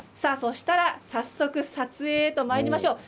早速撮影へとまいりましょう。